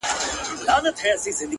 o اوښکي نه راتویومه خو ژړا کړم،